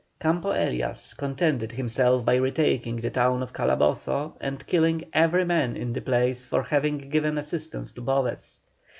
Campo Elias contented himself by retaking the town of Calabozo, and killing every man in the place for having given assistance to Boves.